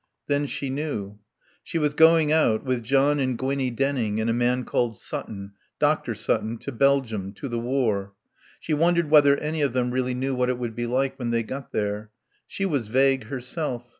Then she knew. She was going out, with John and Gwinnie Denning and a man called Sutton, Dr. Sutton, to Belgium, to the War. She wondered whether any of them really knew what it would be like when they got there. She was vague, herself.